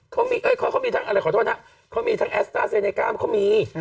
เขามีทั้งอะไรขอโทษนะเขามีทั้งแอสต้าเซเนก้ามเขามี